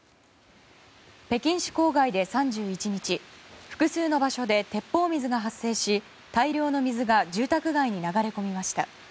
北京市郊外で３１日複数の場所で鉄砲水が発生し大量の水が住宅街に流れ込みました。